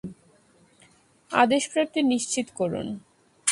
আদেশ প্রাপ্তি নিশ্চিত করুন।